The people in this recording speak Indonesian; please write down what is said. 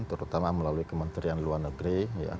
terutama melalui kementerian luar negeri